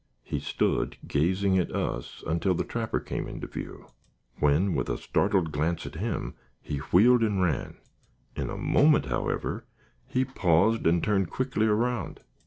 He stood gazing at us, until the trapper came into view, when, with a startled glance at him, he wheeled and ran. In a moment, however, he paused and turned quickly around.